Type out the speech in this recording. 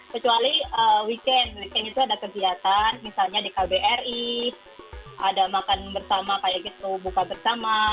kecuali weekend weekend itu ada kegiatan misalnya di kbri ada makan bersama kayak gitu buka bersama